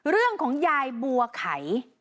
เรื่องของยายบัวไข่